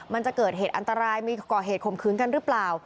มันจะเกิดเหตุอันตรายมีก่อเหตุข่มขืนกันหรือเปล่า